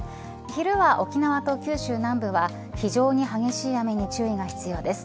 昼は沖縄と九州南部は非常に激しい雨に注意が必要です。